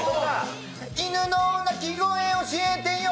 犬の鳴き声教えてよ。